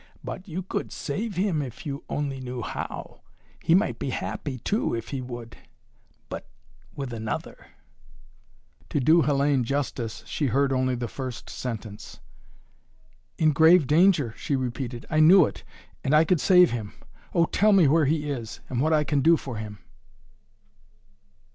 "But you could save him, if you only knew how. He might be happy, too, if he would. But with another!" To do Hellayne justice, she heard only the first sentence. "In grave danger," she repeated. "I knew it! And I could save him! Oh, tell me where he is, and what I can do for him?"